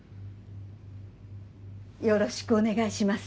よろしくお願いします。